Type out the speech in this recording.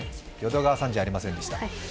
淀川さんじゃありませんでした。